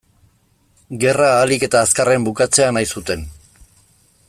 Gerra ahalik eta azkarren bukatzea nahi zuten.